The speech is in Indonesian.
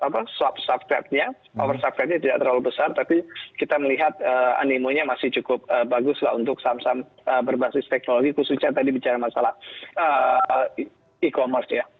kita lihat over subscribenya tidak terlalu besar tapi kita melihat animenya masih cukup bagus untuk saham saham berbasis teknologi khususnya tadi bicara masalah e commerce ya